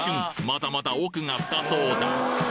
まだまだ奥が深そうだ